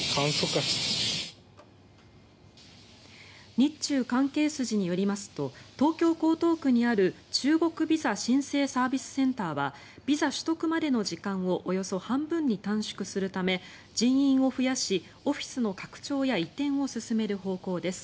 日中関係筋によりますと東京・江東区にある中国ビザ申請サービスセンターはビザ取得までの時間をおよそ半分に短縮するため人員を増やしオフィスの拡張や移転を進める方向です。